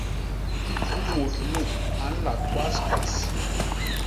Mut nu a nla kwaskwas.